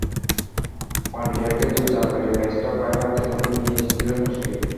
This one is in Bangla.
পান্ডিয়াকে দুই চার মেরে ম্যাচটা প্রায় হাতের মুঠোয় নিয়ে এসেছিলেন মুশফিক।